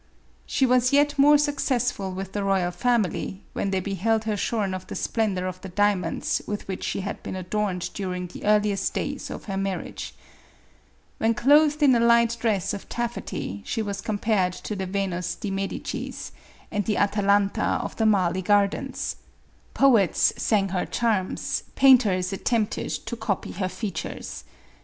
She was yet more successful with the royal family, when they beheld her shorn of the splendor of the diamonds with which she had been adorned during the earliest days of her marriage. When clothed in a light dress of taffety, she was com pared to the Yenus di Medicis, and the Atalanta of the Marly gardens. Poets sang her charms, painters at tempted to copy her features.